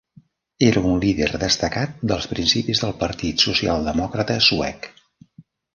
Era un líder destacat dels principis del Partit Socialdemòcrata Suec.